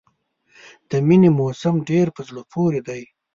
د مني موسم ډېر په زړه پورې دی.